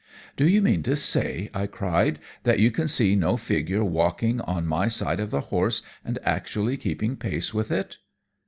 "Do you mean to say," I cried, "that you can see no figure walking on my side of the horse and actually keeping pace with it?"